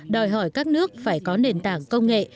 đòi hỏi các nước phải có nền tảng công nghệ